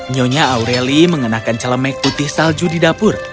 nyonya aureli mengenakan celemek putih salju di dapur